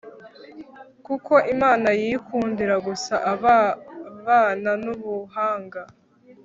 kuko imana yikundira gusa ababana n'ubuhanga